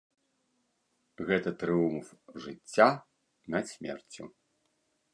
Гэта трыумф жыцця над смерцю.